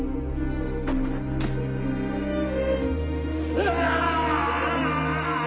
うわ！